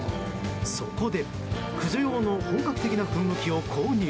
そこで、駆除用の本格的な噴霧器を購入。